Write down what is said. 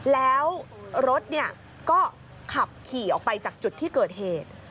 แล้วรถก็ขับขี่ออกไปจากจุดที่เกิดเหตุ